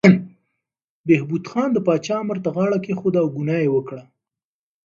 بهبود خان د پاچا امر ته غاړه کېښوده او ګناه یې وکړه.